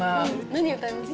何歌います？